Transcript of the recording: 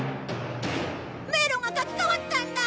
迷路が書きかわったんだ！